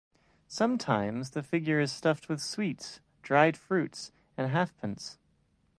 Sometimes the figure is stuffed with sweets, dried fruits, and halfpence.